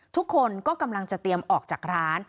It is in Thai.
ทุกคนก็กำลังจะเตรียมออกจากร้าน